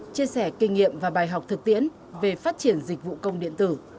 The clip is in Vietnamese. chia sẻ kinh nghiệm và bài học thực tiễn về phát triển dịch vụ công điện tử